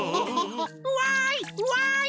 わいわい